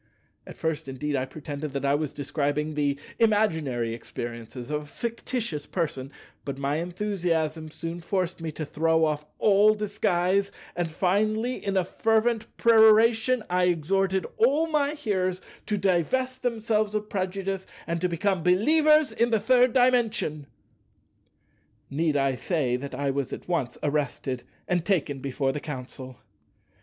At first, indeed, I pretended that I was describing the imaginary experiences of a fictitious person; but my enthusiasm soon forced me to throw off all disguise, and finally, in a fervent peroration, I exhorted all my hearers to divest themselves of prejudice and to become believers in the Third Dimension. Need I say that I was at once arrested and taken before the Council?